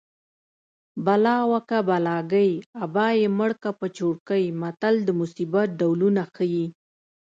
بلا وه که بلاګۍ ابا یې مړکه په چوړکۍ متل د مصیبت ډولونه ښيي